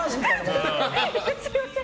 すみません。